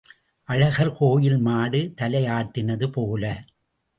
அழகர் கோயில் மாடு தலை ஆட்டினது போல.